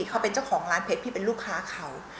เขาเป็นเจ้าของร้านเพชรพี่เป็นลูกค้าเขา